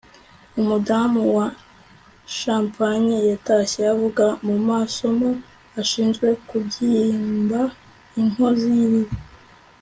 Umudamu wa champagne yatashye avuye mumasomo ashinzwe kubyimba inkozi yibibi